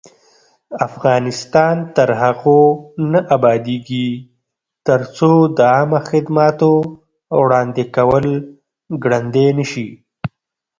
افغانستان تر هغو نه ابادیږي، ترڅو د عامه خدماتو وړاندې کول ګړندی نشي.